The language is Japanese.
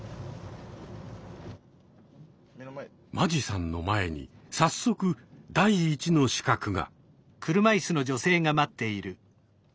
間地さんの前に早速第一の刺客が。